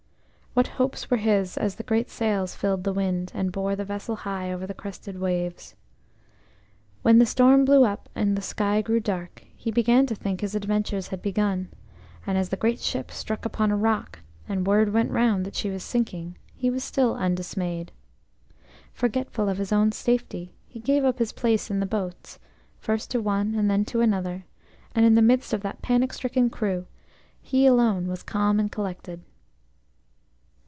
What hopes were his as the great sails filled with wind, and bore the vessel high over the crested waves! When the storm blew up and the sky grew dark, he began to think his adventures had begun, and as the great ship struck upon a rock, and word went round that she was sinking, he was still undismayed. Forgetful of his own safety, he gave up his place in the boats, first to one and then to another, and in the midst of that panic stricken crew he alone was calm and collected.